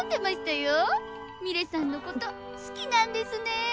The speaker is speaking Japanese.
ミレさんのこと好きなんですねえ！